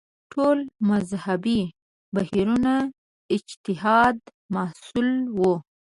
ټول مذهبي بهیرونه اجتهاد محصول وو